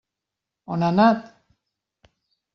On ha anat?